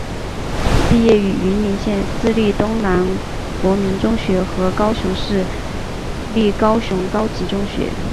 毕业于云林县私立东南国民中学和高雄市立高雄高级中学。